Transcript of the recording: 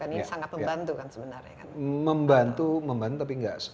ini sangat membantu kan sebenarnya